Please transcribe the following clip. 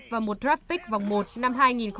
vào một draft pick vòng một năm hai nghìn hai mươi ba